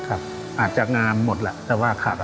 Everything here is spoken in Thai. อาจจะงามหมดละแต่ว่าขาดอารมณ์